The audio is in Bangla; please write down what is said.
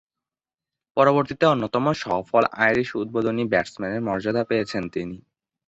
পরবর্তীতে অন্যতম সফল আইরিশ উদ্বোধনী ব্যাটসম্যানের মর্যাদা পেয়েছেন তিনি।